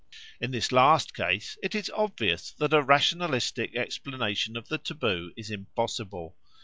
In this last case it is obvious that a rationalistic explanation of the taboo is impossible.